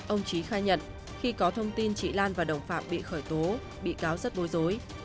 ông trí khai nhận khi có thông tin chị lan và đồng phạm bị khởi tố bị cáo rất bối rối